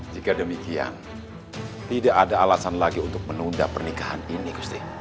jika demikian tidak ada alasan lagi untuk menunda pernikahan ini gusti